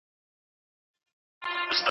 په عرف کې د معروف مقدار څخه څه مطلب دی؟